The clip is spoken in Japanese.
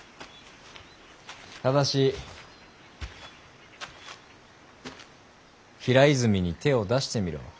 ただし平泉に手を出してみろ。